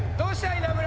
稲村。